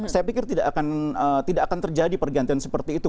saya pikir tidak akan terjadi pergantian seperti itu